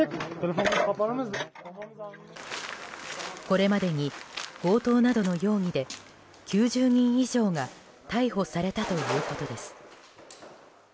これまでに強盗などの容疑で９０人以上が逮捕されたということです。